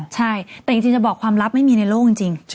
ใช่แต่จริงจะบอกความลับไม่มีในโลกจริง